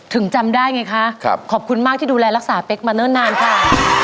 ถึงจำได้ไงคะขอบคุณมากที่ดูแลรักษาเป๊กมาเนิ่นนานค่ะ